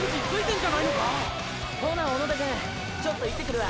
ほな小野田くんちょっと行ってくるわ。